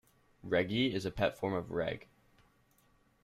"Reggie" is a pet form of "Reg".